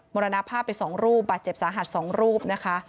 มรณภาพไป๒รูปบาดเจ็บสาหัส๒รูปนะคะ